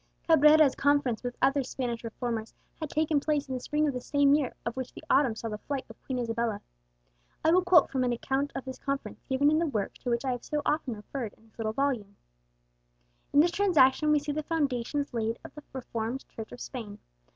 Cabrera's conference with other Spanish reformers had taken place in the spring of the same year of which the autumn saw the flight of Queen Isabella. I will quote from an account of this conference given in the work to which I have so often referred in this little volume: "In this transaction we see the foundations laid of the Reformed Church of Spain.